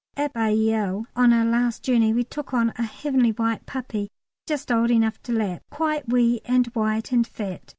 At Bailleul on our last journey we took on a heavenly white puppy just old enough to lap, quite wee and white and fat.